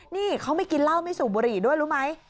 นี่เขาไม่กินเหล้าไม่สูบบุหรี่ด้วยรู้ไหม